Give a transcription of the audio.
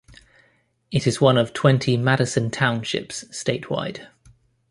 It is one of twenty Madison Townships statewide.